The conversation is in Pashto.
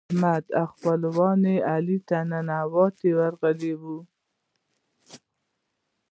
احمد او خپلوان يې علي ته ننواتو ته ورغلي ول.